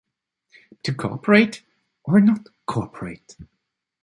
To cooperate, or not cooperate?